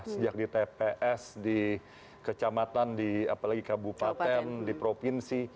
sejak di tps di kecamatan di apalagi kabupaten di provinsi